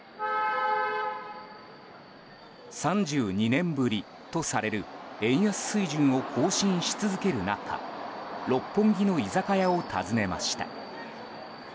３２年ぶりとされる円安水準を更新し続ける中六本木の居酒屋を訪ねました。